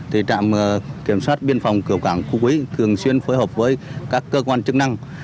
thì trạm kiểm soát biên phòng cửa cảng khu quý thường xuyên phối hợp với các cơ quan chức năng